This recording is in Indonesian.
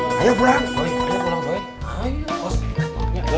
boleh pulang boleh